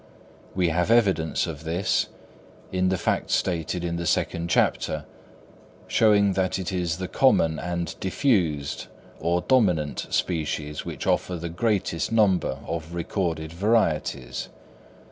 We have evidence of this, in the facts stated in the second chapter, showing that it is the common and diffused or dominant species which offer the greatest number of recorded varieties.